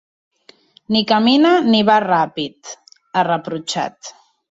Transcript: “Ni camina ni va ràpid”, ha reprotxat.